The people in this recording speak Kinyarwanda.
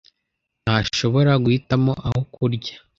ntashobora guhitamo aho kurya.